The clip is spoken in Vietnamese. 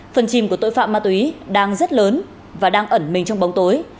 phần chìm của tội phạm ma túy đang rất lớn và đang ẩn mình trong bóng tối